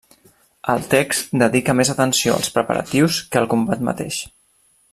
El text dedica més atenció als preparatius que al combat mateix.